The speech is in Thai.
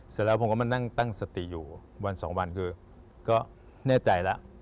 เสร็จแล้วผมก็มานั่งตั้งสติอยู่วันสองวันคือก็แน่ใจแล้ว